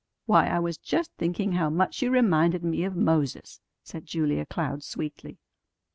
"Why, I was just thinking how much you reminded me of Moses," said Julia Cloud sweetly.